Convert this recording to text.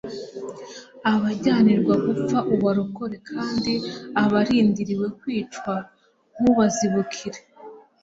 "Abajyanirwa gupfa ubarokore kandi abarindiriwe kwicwa ntubazibukire.